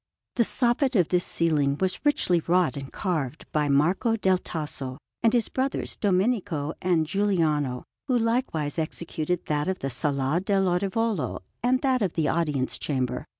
The soffit of this ceiling was richly wrought and carved by Marco del Tasso and his brothers, Domenico and Giuliano, who likewise executed that of the Sala dell' Orivolo and that of the Audience Chamber.